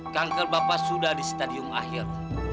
kanker bapak sudah di stadium akhir